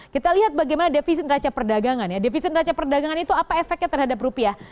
kita lihat bagaimana defisit neraca perdagangan ya defisit neraca perdagangan itu apa efeknya terhadap rupiah